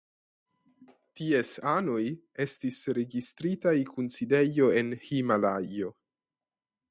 Ties anoj estis registritaj kun sidejo en Himalajo.